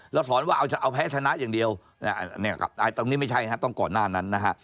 สอนว่าเอาแพ้ชนะอย่างเดียวตรงนี้ไม่ใช่ฮะต้องก่อนหน้านั้นนะฮะ